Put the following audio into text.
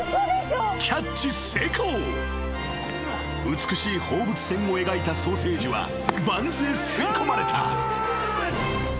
［美しい放物線を描いたソーセージはバンズへ吸い込まれた］